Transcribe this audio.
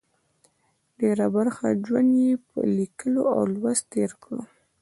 ډېره برخه ژوند یې په لیکلو او لوست تېر کړه.